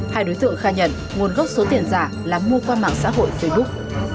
hai đối tượng khai nhận nguồn gốc số tiền giả là mua qua mạng xã hội facebook